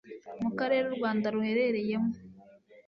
Mu Karere u Rwanda ruherereyemo